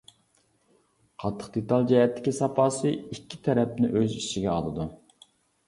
قاتتىق دېتال جەھەتتىكى ساپاسى ئىككى تەرەپنى ئۆز ئىچىگە ئالىدۇ.